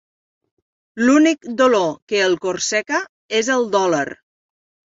L'únic dolor que el corseca és el dòlar.